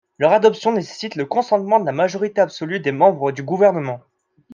Leur adoption nécessite le consentement de la majorité absolue des membres du gouvernement.